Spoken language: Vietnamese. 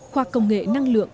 khoa công nghệ năng lượng